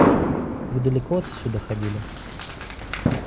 Вы далеко отсюда ходили?